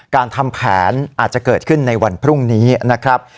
การทำแผนอาจจะเกิดขึ้นในวันพรุ่งนี้นะครับ